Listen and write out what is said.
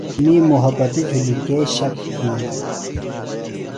می مُحبتی جُھلیۡ کے شک تِھیلیۡ